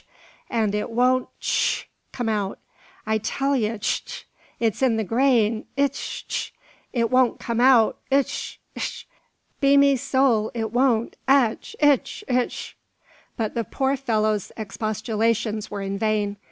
an' it won't tscztsh! come out. I tell yez itch ch! it's in the grain itch itch! It won't come out itch itch! be me sowl it won't atch itch hitch!" But the poor fellow's expostulations were in vain.